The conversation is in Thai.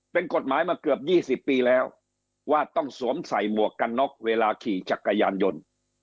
เป็นกฎหมายมาเกือบ๒๐ปีแล้วว่าต้องสวมใส่หมวกกันน็อกเวลาขี่จักรยานยนต์